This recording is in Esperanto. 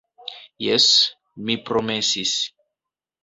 Jes, mi promesis.